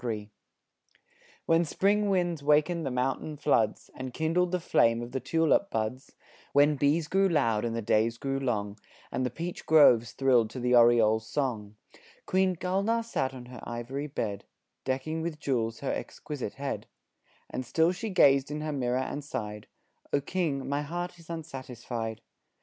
III When spring winds wakened the mountain floods, And kindled the flame of the tulip buds, When bees grew loud and the days grew long, And the peach groves thrilled to the oriole's song, Queen Gulnaar sat on her ivory bed, Decking with jewels her exquisite head; And still she gazed in her mirror and sighed: "O King, my heart is unsatisfied."